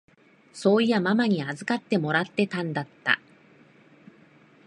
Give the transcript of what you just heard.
そういやママに預かってもらってたんだった。